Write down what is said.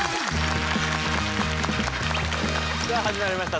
さあ始まりました